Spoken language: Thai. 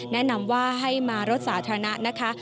แนะนำว่าให้มารถสาธารณะนะคะ